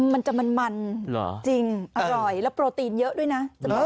มันจะมันจริงอร่อยแล้วโปรตีนเยอะด้วยนะ